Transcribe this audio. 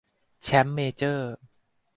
แชมป์เมเจอร์